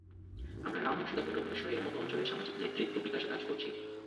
আমরা রামু, সীতাকুণ্ড, মিরসরাইয়ের মতো অঞ্চলে সামাজিক নেতৃত্ব বিকাশে কাজ করছি।